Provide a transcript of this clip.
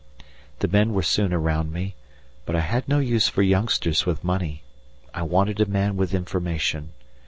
The men were soon round me, but I had no use for youngsters with money. I wanted a man with information.